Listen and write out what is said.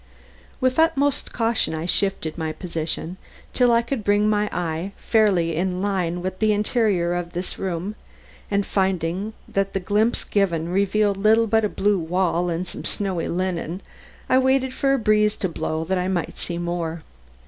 With utmost caution I shifted my position till I could bring my eye fairly in line with the interior of this room, and finding that the glimpse given revealed little but a blue wall and some snowy linen, I waited for the breeze to blow that I might see more.